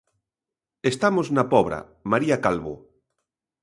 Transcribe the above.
Estamos na Pobra, María Calvo.